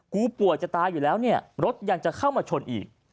ป่วยจะตายอยู่แล้วเนี่ยรถยังจะเข้ามาชนอีก